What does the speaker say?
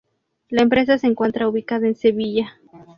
La empresa se encuentra ubicada en Sevilla.